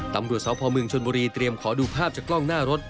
ตำรวจสพเมืองชนบุรีเตรียมขอดูภาพจากกล้องหน้ารถ